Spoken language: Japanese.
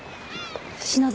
篠崎